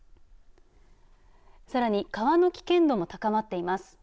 さらに川の危険度も高まっています。